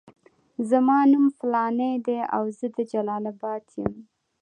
زما نوم فلانی دی او زه د جلال اباد یم.